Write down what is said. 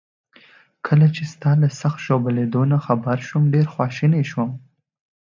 کله چي ستا له سخت ژوبلېدو نه خبر شوم، ډیر خواشینی شوم.